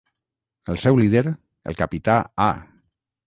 El seu líder, el capità A.